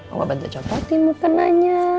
oma bantu copotin muka nanya